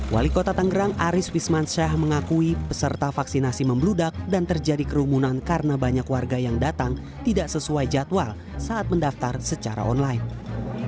wali kota tanggerang aris wismansyah mengakui peserta vaksinasi membludak dan terjadi kerumunan karena banyak warga yang datang tidak sesuai jadwal saat mendaftar secara online